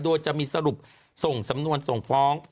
โดยจะมีสรุปส่งสำนวนส่งฟ้อง